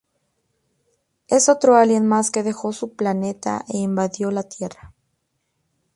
Es otro alien más que dejó su planeta e invadió la Tierra.